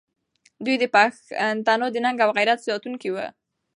دوی د پښتنو د ننګ او غیرت ساتونکي وو.